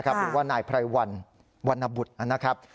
หรือว่านายไพรวันวันนบุตรนะครับ